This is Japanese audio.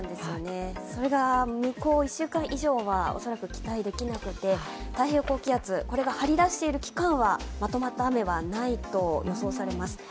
それが向こう１週間以上は、恐らく期待できなくて、太平洋高気圧が張り出している期間はまとまった雨はないと予想されます。